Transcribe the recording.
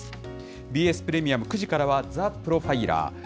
ＢＳプレミアム９時からは、ザ・プロファイラー。